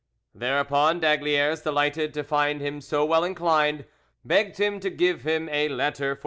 Thereupon d'Aygaliers, delighted to find him so well inclined, begged him to give him a letter for M.